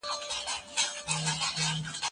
موږ نشو کولای معيار مات کړو.